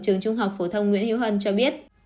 trường trung học phổ thông nguyễn hiếu hân cho biết